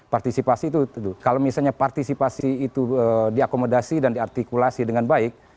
partisipasi itu kalau misalnya partisipasi itu diakomodasi dan diartikulasi dengan baik